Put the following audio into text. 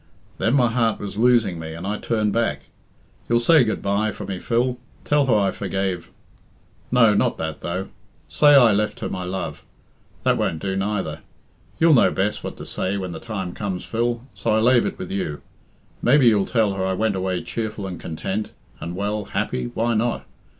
Then my heart was losing me, and I turned back. You'll say good bye for me, Phil Tell her I forgave no, not that, though. Say I left her my love that won't do neither. You'll know best what to say when the time comes, Phil, so I lave it with you. Maybe you'll tell her I went away cheerful and content, and, well, happy why not?